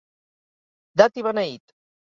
Dat i beneït.